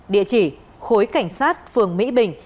địa chỉ khối cảnh sát phường mỹ bình